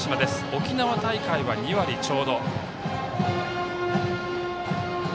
沖縄大会は２割ちょうど。